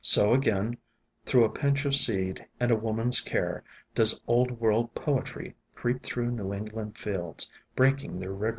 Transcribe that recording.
So again, through a pinch of seed and a woman's care, does Old World poetry creep through New England fields, breaking their rigor.